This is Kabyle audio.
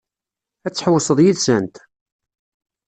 Ad tḥewwseḍ yid-sent?